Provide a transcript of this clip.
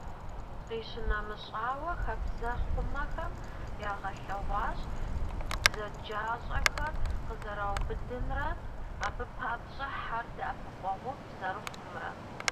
Къищынэмыщӏауэ, хабзэхъумэхэм ягъэлъэгъуащ бзаджащӏэхэр къызэраубыдымрэ, абы папщӏэ хьэр дэӏэпыкъуэгъуфӏ зэрыхъумрэ.